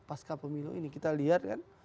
pasca pemilu ini kita lihat kan